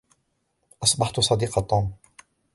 أصبحت صديق توم.